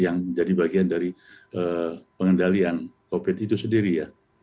yang menjadi bagian dari pengendalian covid itu sendiri ya